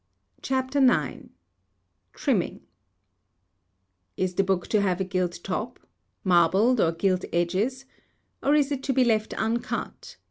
CHAPTER IX. TRIMMING. Is the book to have a gilt top? marbled or gilt edges? or is it to be left uncut?